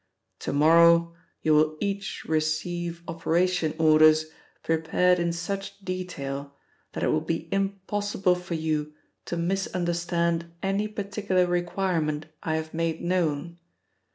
To morrow you will each receive operation orders prepared in such detail that it will be impossible for you to misunderstand any particular requirement I have made known.